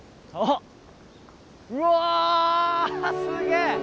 あっ！